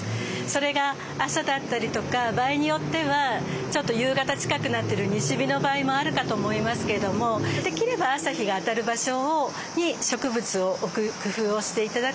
それが朝だったりとか場合によってはちょっと夕方近くなってる西日の場合もあるかと思いますけれどもできれば朝日が当たる場所に植物を置く工夫をして頂くといいと思います。